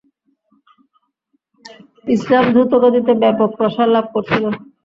ইসলাম দ্রুতগতিতে ব্যাপক প্রসার লাভ করছিল।